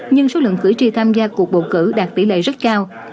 nhưng số lượng cử tri tham gia cuộc bầu cử đạt tỷ lệ rất cao